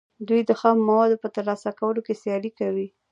دوی د خامو موادو په ترلاسه کولو کې سیالي کوي